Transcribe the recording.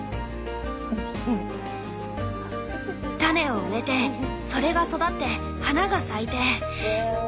種を植えてそれが育って花が咲いて。